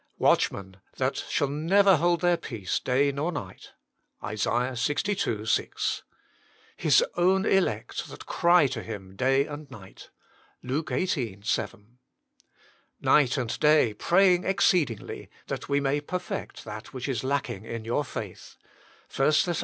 "Watchmen, that shall never hold their peace day nor night." ISA. Ixii. 6. "His own elect, that cry to Him day and night." LUKE xviii. 7. "Night and day praying exceedingly, that we may perfect that which is lacking in your faith." 1 THESS.